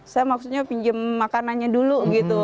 saya maksudnya pinjam makanannya dulu gitu